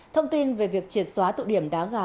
thông tin về việc triệt xóa tụ điểm đá gà